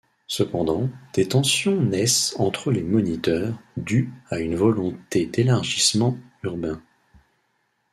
Cependant, des tensions naissent entre les moniteurs, dues à une volonté d'élargissement urbain.